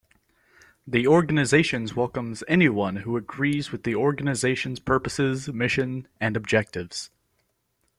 The organization welcomes anyone who agrees with the organizations purposes, mission, and objectives.